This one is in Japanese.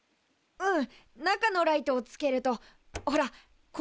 うん。